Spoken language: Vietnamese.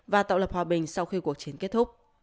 và tạo lập hòa bình sau khi cuộc chiến kết thúc